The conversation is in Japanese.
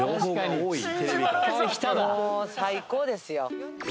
もう最高ですよ。